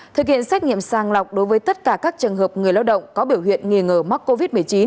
thực hiện xét nghiệm sàng lọc đối với tất cả các trường hợp người lao động có biểu hiện nghi ngờ mắc covid một mươi chín